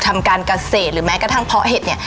ทำการเกษตรหรือแม้กระทั่งเพาะเห็ดเนี่ย